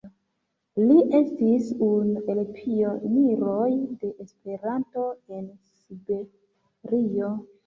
Li estis unu el pioniroj de Esperanto en Siberio.